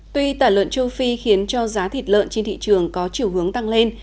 tuy tả lợn châu phi khiến cho giá thịt lợn trên thị trường có chiều hướng tăng lên